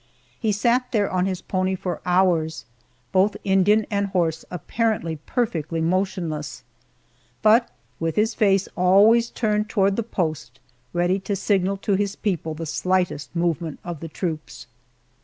He sat there on his pony for hours, both Indian and horse apparently perfectly motionless, but with his face always turned toward the post, ready to signal to his people the slightest movement of the troops.